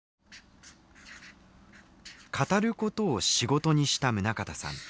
語ることを仕事にした宗像さん。